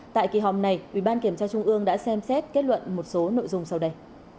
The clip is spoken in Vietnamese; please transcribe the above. tại kỳ họp này ủy ban kiểm tra trung ương đã xem xét kết luận một số nội dung sau đây